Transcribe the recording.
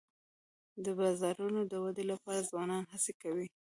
د بازارونو د ودي لپاره ځوانان هڅي کوي.